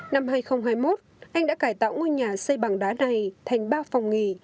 năm hai nghìn hai mươi một anh đã cải tạo ngôi nhà xây bằng đá này thành ba phòng nghỉ